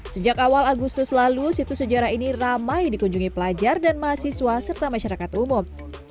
sejak awal agustus lalu situs sejarah ini ramai dikunjungi pelajar dan mahasiswa serta masyarakat umum